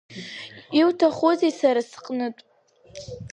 Иуҭахузеи сара сҟнытә?